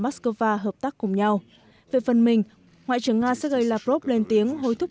moscow hợp tác cùng nhau về phần mình ngoại trưởng nga sẽ gây lavrov lên tiếng hối thúc